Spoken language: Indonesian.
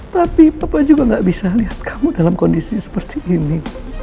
tapi papa juga gak bisa lihat kamu dalam kondisi seperti ini